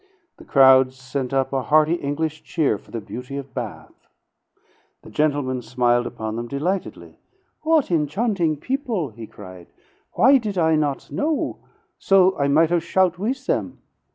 The crowd sent up a hearty English cheer for the Beauty of Bath. The gentleman smiled upon them delightedly. "What enchanting people!" he cried. "Why did I not know, so I might have shout' with them?"